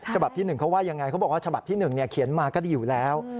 ฉบับที่๑เขาว่ายังไงเขาบอกว่าฉบับที่๑เขียนมาก็ดีอยู่แล้ว